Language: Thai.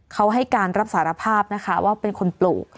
เขาให้การรับสารภาพนะคะว่าเป็นคนปลูก